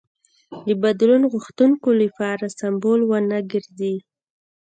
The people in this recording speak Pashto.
د بدلون غوښتونکو لپاره سمبول ونه ګرځي.